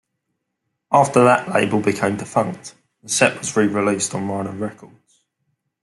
After that label became defunct, the set was re-released on Rhino Records.